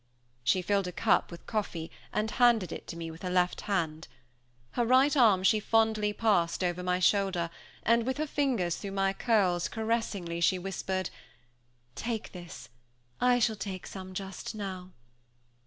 She filled a cup with coffee and handed it to me with her left hand; her right arm she fondly passed over my shoulder, and with her fingers through my curls, caressingly, she whispered, "Take this, I shall take some just now."